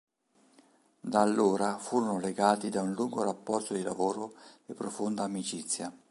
Da allora furono legati da un lungo rapporto di lavoro e profonda amicizia.